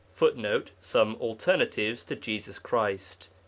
[Footnote: Some Alternatives to Jesus Christ, p.